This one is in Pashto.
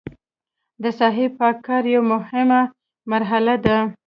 د ساحې پاک کاري یوه مهمه مرحله ده